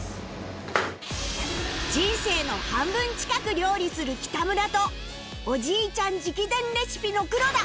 人生の半分近く料理する北村とおじいちゃん直伝レシピの黒田